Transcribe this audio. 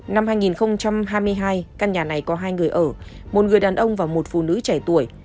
năm hai nghìn hai mươi hai căn nhà này có hai người ở một người đàn ông và một phụ nữ trẻ tuổi